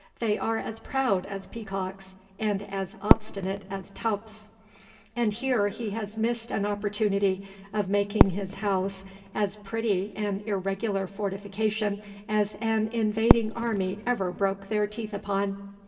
They are as proud as peacocks, and as obstinate as tups and here he has missed an opportunity of making his house as pretty an irregular fortification as an invading army ever broke their teeth upon.